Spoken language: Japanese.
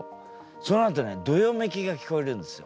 そのあとねどよめきが聞こえるんですよ